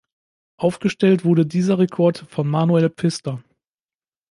Aufgestellt wurde dieser Rekord von Manuel Pfister.